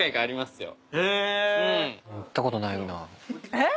えっ！